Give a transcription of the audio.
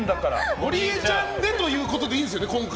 ゴリエちゃんでということでいいんですよね？